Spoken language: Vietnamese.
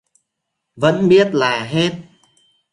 vẫn biết là hết